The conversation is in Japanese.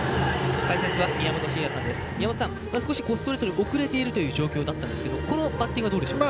宮本さん、ストレートに遅れているという状況だったんですがこのバッティングどうでしたか。